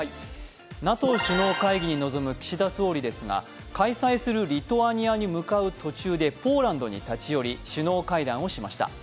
ＮＡＴＯ首脳会議に臨む岸田総理ですが開催するリトアニアに向かう途中でポーランドに立ち寄り首脳会談をしました。